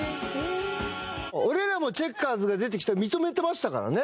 俺らもチェッカーズが出てきて認めてましたからね。